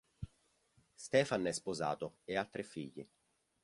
Ștefan è sposato e ha tre figli.